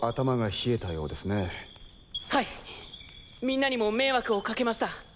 みんなにも迷惑をかけました。